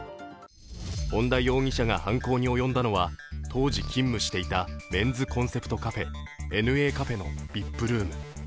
本田容疑者が犯行に及んだのは当時勤務していたメンズコンセプトカフェ、ＮＡカフェのＶＩＰルーム。